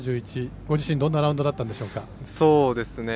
ご自身どんなラウンドだったんでしょうか？